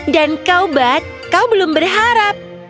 dan kau bud kau belum berharap